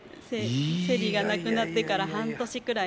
セリが亡くなってから半年くらい。